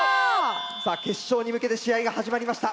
さぁ決勝に向けて試合が始まりました。